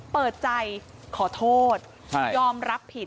เปิดใจขอโทษยอมรับผิด